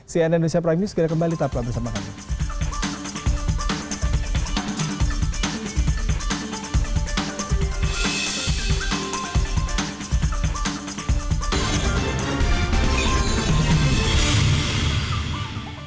saya andan indonesia prime news kembali lagi bersama sama